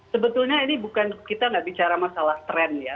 sebetulnya ini bukan kita nggak bicara masalah tren ya